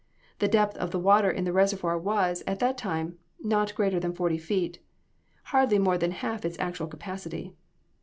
The depth of water in the reservoir was, at the time, not greater than forty feet; hardly more than half its actual capacity.